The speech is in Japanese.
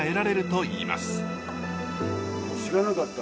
知らなかった。